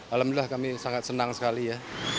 alhamdulillah kami sangat senang sekali ya